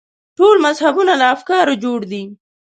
ټول مذهبونه له افکارو جوړ دي.